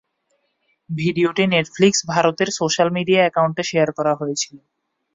ভিডিওটি নেটফ্লিক্স ভারতের social media অ্যাকাউন্টে শেয়ার করা হয়েছিল।